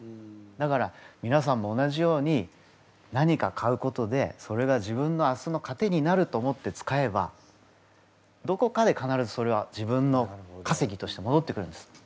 だからみなさんも同じように何か買うことでそれが自分の明日の糧になると思って使えばどこかで必ずそれは自分のかせぎとしてもどってくるんです。